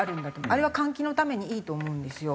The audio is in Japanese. あれは換気のためにいいと思うんですよ。